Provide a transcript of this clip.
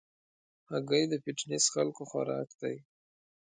هګۍ د فټنس خلکو خوراک دی.